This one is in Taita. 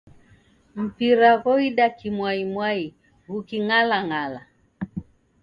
Mpira ghoida kimwaimwai ghuking'alang'ala.